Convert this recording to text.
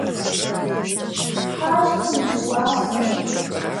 Къащтэ и уасэр.